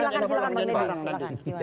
oke silahkan silahkan